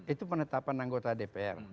itu penetapan anggota dpr